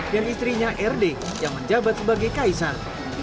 dan istrinya rd yang menjabat sebagai kaisar